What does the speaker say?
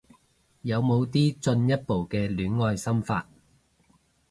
有冇啲進一步嘅戀愛心法